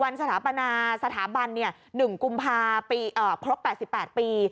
วันสถาบรรณาสถาบันเนี่ย๑กุมภาคลก๘๘ปี